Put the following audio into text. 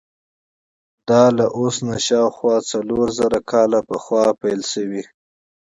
دا له اوس نه شاوخوا څلور زره کاله پخوا پیل شوی.